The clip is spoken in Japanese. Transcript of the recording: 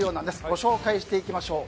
ご紹介していきましょう。